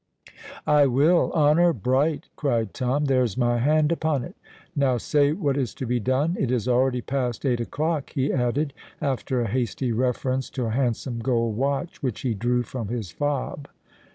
"I will—honour bright!" cried Tom. "There's my hand upon it. Now say what is to be done. It is already past eight o'clock," he added, after a hasty reference to a handsome gold watch which he drew from his fob.